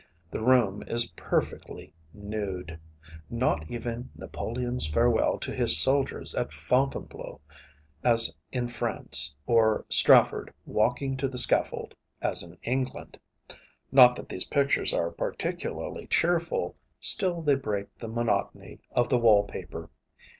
The room is perfectly nude. Not even "Napoleon's Farewell to his Soldiers at Fontainebleau" as in France, or "Strafford walking to the Scaffold" as in England. Not that these pictures are particularly cheerful, still they break the monotony of the wall paper.